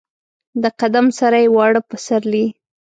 د قدم سره یې واړه پسرلي